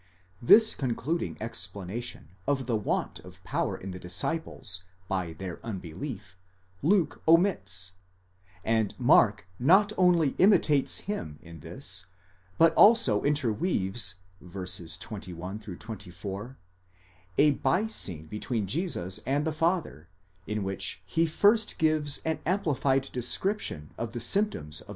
45 This concluding explanation of the want of power in the disciples, by their unbelief, Luke omits: and Mark. not only imitates him in: this, but also interweaves (v, 21 24), a by scene between Jesus and the: father, in which he first gives an amplified description of the symptoms of *!